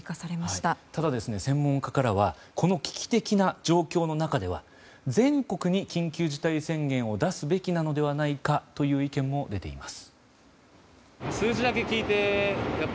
ただ、専門家からはこの危機的な状況の中では全国に緊急事態宣言を出すべきなのではないかという意見も出ています。